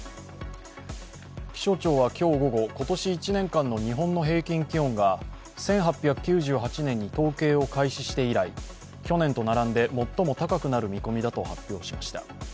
気象庁は今日午後、今年１年間の日本の平均気温が１８９８年に統計を開始して以来、去年と並んで最も高くなる見込みだと発表しました。